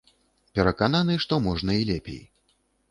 Перакананы, што можна і лепей.